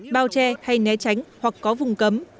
bao che hay né tránh hoặc có vùng cấm